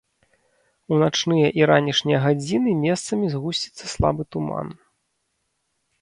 У начныя і ранішнія гадзіны месцамі згусціцца слабы туман.